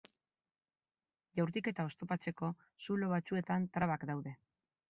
Jaurtiketa oztopatzeko zulo batzuetan trabak daude.